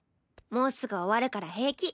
もうすぐ終わるから平気。